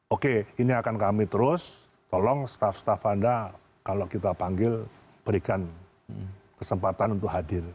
oke ini akan kami terus tolong staff staf anda kalau kita panggil berikan kesempatan untuk hadir